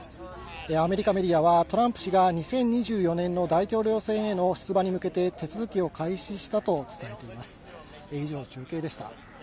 アメリカメディアはトランプ氏が２０２４年の大統領選への出馬に向けて手続きを開始したと伝えています。